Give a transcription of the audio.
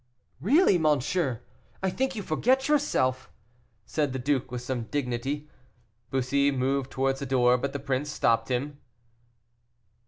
"Really, monsieur, I think you forget yourself," said the duke, with some dignity. Bussy moved towards the door, but the prince stopped him.